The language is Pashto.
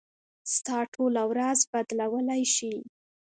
ستا ټوله ورځ بدلولی شي.